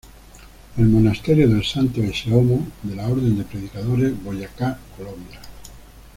El monasterio del Santo Ecce-Homo de la Orden de Predicadores, Boyacá, Colombia.